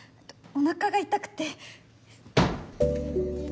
おなかが痛くて。